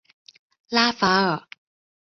拉法尔。